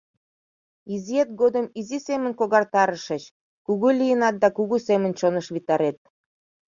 Изиэт годым изи семын когартарышыч, кугу лийынат да кугу семын чоныш витарет!